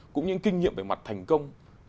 cũng những kinh nghiệm về mặt thành công